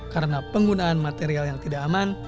karena penggunaan material yang tidak aman